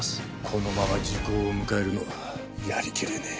このまま時効を迎えるのはやりきれねえ。